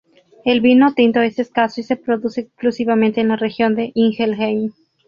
El vino tinto es escaso y se produce exclusivamente en la región de Ingelheim.